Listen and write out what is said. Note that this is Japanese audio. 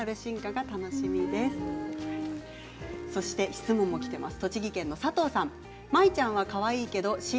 質問もきています。